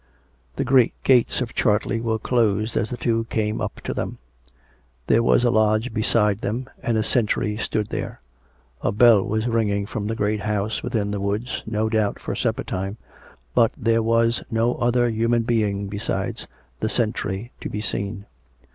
The great gates of Chartley were closed as the two came up to them. There was a lodge beside them, and a sentry stood there. A bell was ringing from the great house within the woods, no doubt for supper time, but there was no other human being besides the sentry to be seen.